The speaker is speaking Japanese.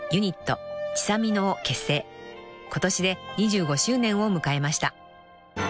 ［今年で２５周年を迎えました］